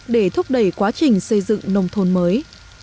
để thúc đẩy quá trình xây dựng nông thôn mới